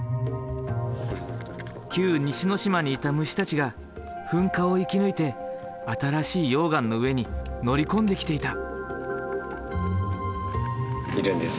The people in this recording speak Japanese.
旧西之島にいた虫たちが噴火を生き抜いて新しい溶岩の上に乗り込んできていた。